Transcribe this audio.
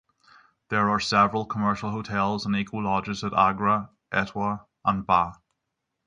There are several commercial hotels and eco lodges at Agra, Etawah and Bah.